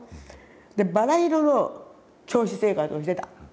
でバラ色の教師生活をしてた。